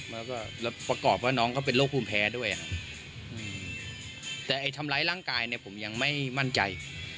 แล้วก็ประกอบว่าน้องเขาเป็นโรคภูมิแพ้ด้วยครับแต่ไอ้ทำร้ายร่างกายเนี่ยผมยังไม่มั่นใจ